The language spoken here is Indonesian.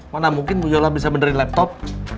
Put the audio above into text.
mana mungkin guyola bisa benerin laptop